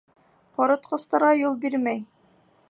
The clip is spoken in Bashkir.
Ҡоротҡостарға юл бирмәй.